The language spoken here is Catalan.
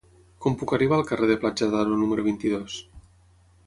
Com puc arribar al carrer de Platja d'Aro número vint-i-dos?